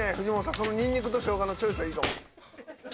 そのニンニクとショウガのチョイスはいいぞ。